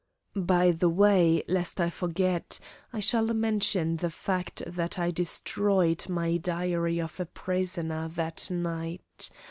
By the way, lest I forget, I shall mention the fact that I destroyed my "Diary of a Prisoner" that night.